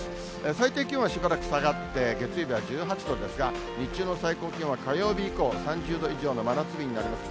最低気温はしばらく下がって、月曜日は１８度ですが、日中の最高気温は火曜日以降３０度以上の真夏日になります。